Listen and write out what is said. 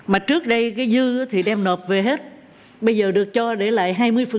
mà trước đây cái dư thì đem nộp về hết bây giờ được cho để lại hai mươi